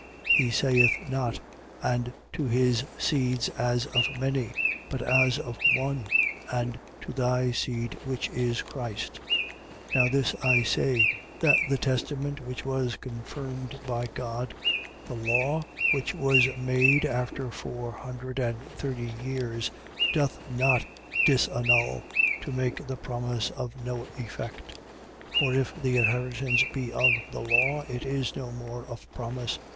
He saith not: And to his seeds as of many. But as of one: And to thy seed, which is Christ. 3:17. Now this I say: that the testament which was confirmed by God, the law which was made after four hundred and thirty years doth not disannul, to make the promise of no effect. 3:18. For if the inheritance be of the law, it is no more of promise.